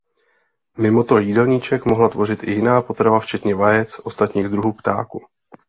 Mimoto jídelníček mohla tvořit i jiná potrava včetně vajec ostatních druhů ptáků.